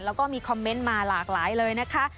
แล้วก็มีคอมเมนต์มาหลากหลายเลยนะคะ